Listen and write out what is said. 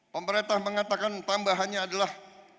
pemerintah mengatakan tambahannya adalah